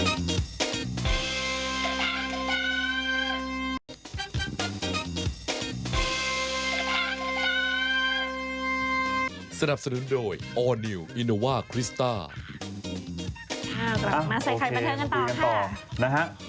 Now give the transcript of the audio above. มากมาใส่ไข่บันเทิงกันต่อค่ะโอเคพูดกันต่อนะฮะ